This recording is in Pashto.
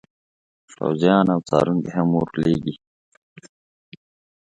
پوځیان او څارونکي هم ور لیږي.